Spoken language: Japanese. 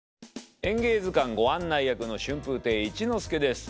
「演芸図鑑」ご案内役の春風亭一之輔です。